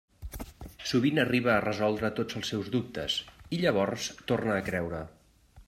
Sovint arriba a resoldre tots els seus dubtes, i llavors torna a creure.